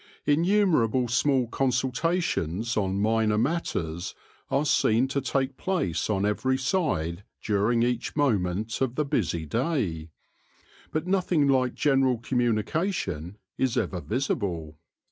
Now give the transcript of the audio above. Innu merable small consultations on minor matters are seen to take place on every side during each moment of the busy day ; but nothing like general communi cation is ever visible.